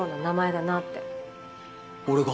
俺が？